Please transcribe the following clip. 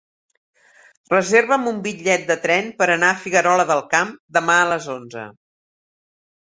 Reserva'm un bitllet de tren per anar a Figuerola del Camp demà a les onze.